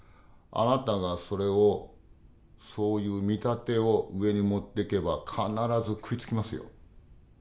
あなたがそれをそういう見立てを上に持ってけば必ず食いつきますよ。